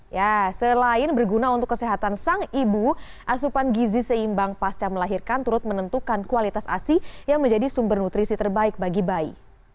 ya selain berguna untuk kesehatan sang ibu asupan gizi seimbang pasca melahirkan turut menentukan kualitas asi yang menjadi sumber nutrisi terbaik bagi bayi